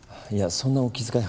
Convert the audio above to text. そんなお気遣いは。